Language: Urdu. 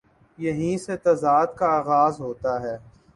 یہیں سے تضاد کا آ غاز ہو تا ہے۔